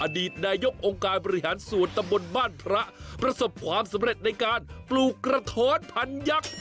อดีตนายกองค์การบริหารส่วนตำบลบ้านพระประสบความสำเร็จในการปลูกกระท้อนพันยักษ์